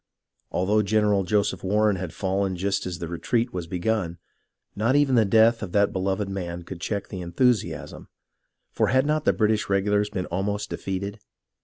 Although General Joseph Warren had fallen just as the retreat was begun, not even the death of that beloved man could check the enthusiasm, for had not the British regu lars been almost defeated